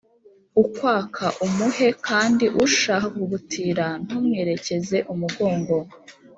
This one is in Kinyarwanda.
Ukwaka umuhe kandi ushaka kugutira ntumwerekeze umugongo.